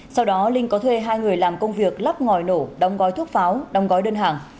sau đó linh có thuê hai người làm công việc lắp ngòi nổ đóng gói thuốc pháo đóng gói đơn hàng